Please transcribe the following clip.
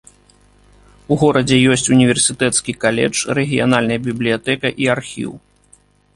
У горадзе ёсць універсітэцкі каледж, рэгіянальная бібліятэка і архіў.